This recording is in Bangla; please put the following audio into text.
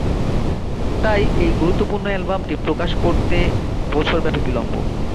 তাই এই গুরুত্বপূর্ণ অ্যালবামটি প্রকাশ করতে বছরব্যাপী বিলম্ব।